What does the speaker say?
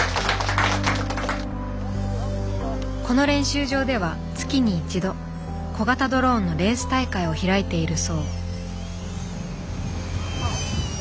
この練習場では月に１度小型ドローンのレース大会を開いているそう。